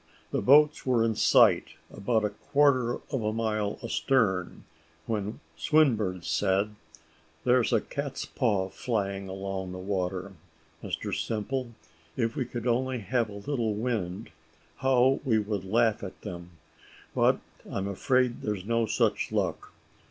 The boats were in sight, about a quarter of a mile astern, when Swinburne said, "There's a cat's paw flying along the water, Mr Simple; if we could only have a little wind, how we would laugh at them; but I'm afraid there's no such luck.